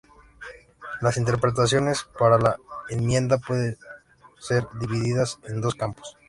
Las interpretaciones para la enmienda pueden ser divididas en dos campos.